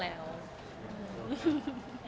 อะไรนะคะ